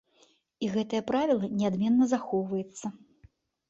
І гэтае правіла неадменна захоўваецца.